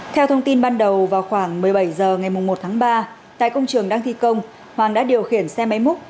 theo thông tin ban đầu vào khoảng một mươi bảy h ngày một tháng ba tại công trường đang thi công hoàng đã điều khiển xe máy múc